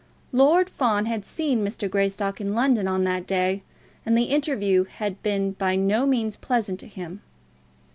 Lord Fawn had seen Mr. Greystock in London on that day, and the interview had been by no means pleasant to him.